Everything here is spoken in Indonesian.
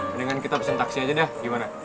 mendingan kita pesen taksi aja deh gimana